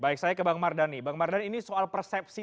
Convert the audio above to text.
baik saya ke bang mardhani bang mardhani ini soal persepsi